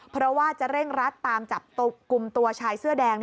เพราะว่าจะเร่งรัดตามจับกลุ่มตัวชายเสื้อแดง